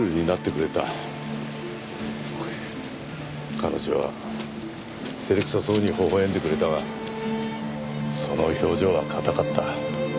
彼女は照れくさそうにほほ笑んでくれたがその表情は硬かった。